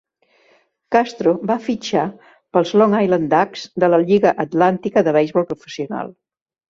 Castro va fitxar pels Long Island Ducks de la Lliga Atlàntica de Beisbol Professional.